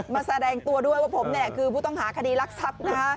มาแสดงตัวด้วยว่าผมคือผู้ต้องหาคดีรักทรัพย์นะฮะ